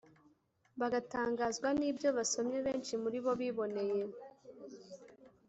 bagatangazwa n ibyo basomye benshi muri bo biboneye